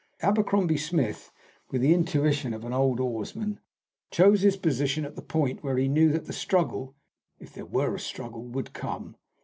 Abercrombie Smith, with the intuition of an old oarsman, chose his position at the point where he knew that the struggle, if there were a struggle, would come.